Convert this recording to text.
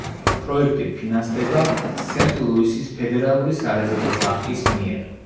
პროექტი ფინანსდება სენტ-ლუისის ფედერალური სარეზერვო ბანკის მიერ.